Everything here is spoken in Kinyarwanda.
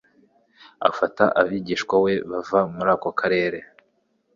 afata abigishwa be bava muri ako karere.